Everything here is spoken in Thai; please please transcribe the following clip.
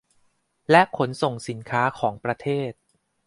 และขนส่งสินค้าของประเทศ